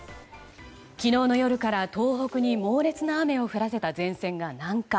昨日の夜から東北に猛烈な雨を降らせた前線が南下。